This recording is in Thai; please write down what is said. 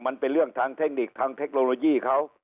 มันเป็นเรื่องทางเทคนิคทางเทคโนโลยีเขา